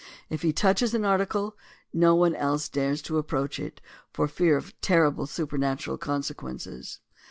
If he touches an article, no one else dares to approach it, for fear of terrible supernatural consequences.